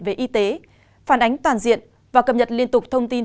về y tế phản ánh toàn diện và cập nhật liên tục thông tin